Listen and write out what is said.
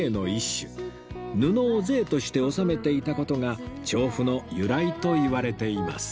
布を税として納めていた事が調布の由来といわれています